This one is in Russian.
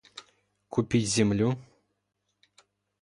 Купить землю?